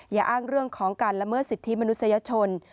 อย่าอ้างเรื่องของการละเมิดสิทธิมนุษยชน